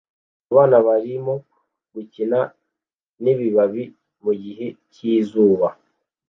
Abana barimo gukina nibibabi mugihe cyizuba